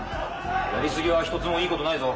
やり過ぎは一つもいいことないぞ。